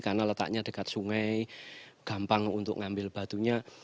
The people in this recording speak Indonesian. karena letaknya dekat sungai gampang untuk ngambil batunya